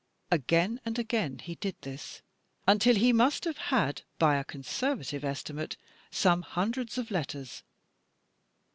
"Again and again he did this," until he must have had, by a con servative estimate, some himdreds of letters.